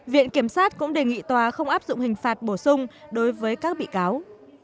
viện kiểm sát cũng đề nghị tòa không áp dụng hình phạt bổ sung đối với các bị cáo